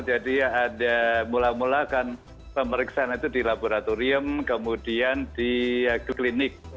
jadi ada mula mula kan pemeriksaan itu di laboratorium kemudian di klinik